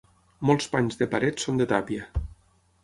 Molts panys de paret són de tàpia.